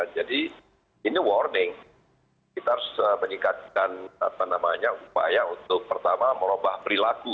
jadi ini warning kita harus meningkatkan upaya untuk pertama melobah perilaku